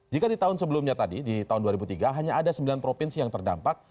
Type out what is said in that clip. jika di tahun sebelumnya tadi di tahun dua ribu tiga hanya ada sembilan provinsi yang terdampak